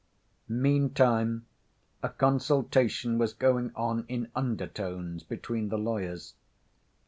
Meantime a consultation was going on in undertones between the lawyers.